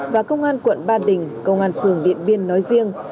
và công an quận ba đình công an phường điện biên nói riêng